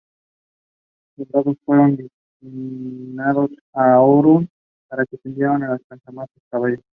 Los soldados fueron destinados a Oruro para ser enviados a las casamatas del Callao.